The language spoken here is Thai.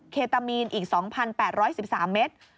เคตามีนอีก๒๘๑๓เมตร